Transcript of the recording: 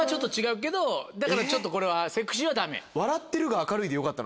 だからちょっとこれはセクシーはダメ。